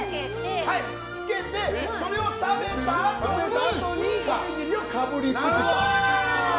つけて、それを食べたあとにおにぎりにかぶりつくと。